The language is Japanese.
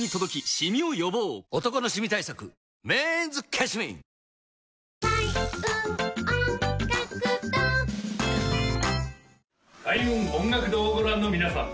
開運音楽堂をご覧の皆さん